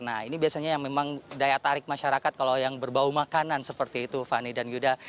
nah ini biasanya yang memang daya tarik masyarakat kalau yang berbau makanan seperti itu fani dan yuda